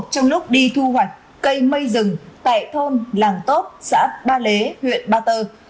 trong lúc đi thu hoạch cây mây rừng tại thôn làng tốt xã ba lế huyện ba tơ